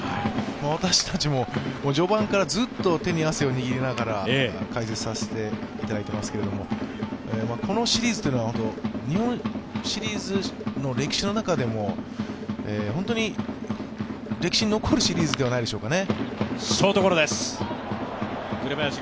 私たちも序盤からずっと手に汗を握りながら解説させていただいていますがこのシリーズというのは日本シリーズの歴史の中でも本当に歴史に残るシリーズではないでしょうかね。